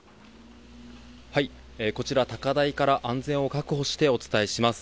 こちら、高台から安全を確保してお伝えします。